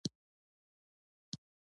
لمسی د کور پاکي خوښوي.